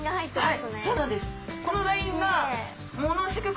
はい！